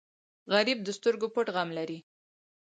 غریب د سترګو پټ غم لري